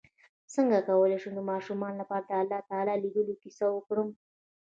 څنګه کولی شم د ماشومانو لپاره د الله تعالی لیدلو کیسه وکړم